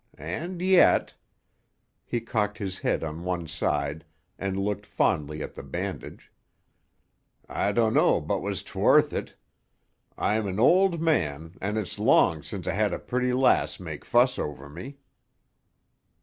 And yet—" he cocked his head on one side and looked fondly at the bandage—"I dunno but what 'twas worth it. I'm an auld man, and it's long sin' I had a pretty lass make fuss over me."